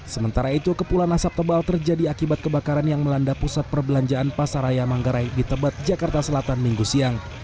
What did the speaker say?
sementara itu kepulan asap tebal terjadi akibat kebakaran yang melanda pusat perbelanjaan pasaraya manggarai di tebet jakarta selatan minggu siang